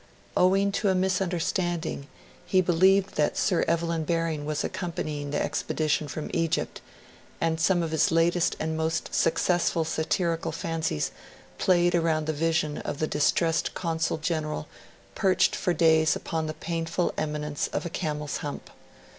Owing to a misunderstanding, he believed that Sir Evelyn Baring was accompanying the expedition from Egypt, and some of his latest and most successful satirical fancies played around the vision of the distressed Consul General perched for days upon the painful eminence of a camel's hump.